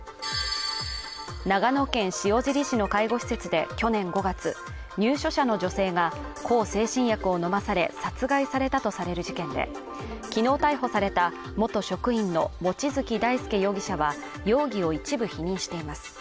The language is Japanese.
長野県塩尻市の介護施設で去年５月入所者の女性が向精神薬を飲まされ殺害されたとされる事件で昨日逮捕された元職員の望月大輔容疑者は容疑を一部否認しています